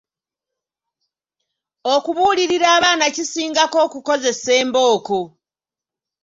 Okubuulirira abaana kisingako okukozesa embooko.